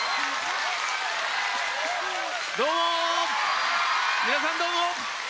どうも、皆さん、どうも。